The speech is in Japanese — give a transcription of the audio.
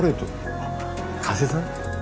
あっ加瀬さん？